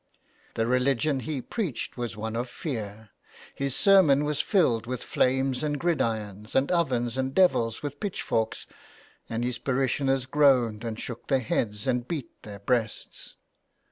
The religion he preached was one of fear. His sermon was filled with flames and gridirons, and ovens and devils with pitchforks, and his parishioners groaned and shook their heads and beat their breasts.